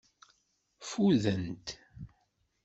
Ffudent.